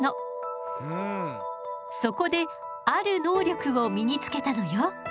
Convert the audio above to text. そこである能力を身につけたのよ。